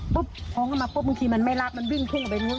ปุ๊บโค้งเข้ามาปุ๊บบางทีมันไม่รับมันวิ่งคุ่งออกไปนู้น